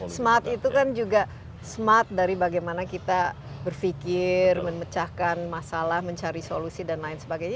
smart itu kan juga smart dari bagaimana kita berpikir memecahkan masalah mencari solusi dan lain sebagainya